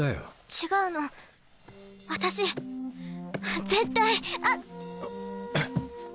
違うの私絶対あっ！